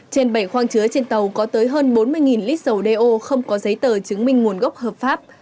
trên bảy khoang chứa trên tàu có tới hơn bốn mươi lít dầu đeo không có giấy tờ chứng minh nguồn gốc hợp pháp